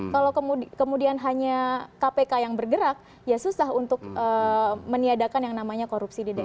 kalau kemudian hanya kpk yang bergerak ya susah untuk meniadakan yang namanya korupsi di dpr